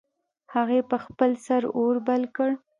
هغې په خپل سر اور بل کړ